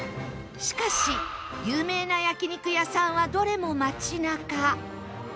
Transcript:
しかし有名な焼肉屋さんはどれも街なか